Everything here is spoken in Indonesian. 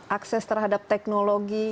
akses terhadap teknologi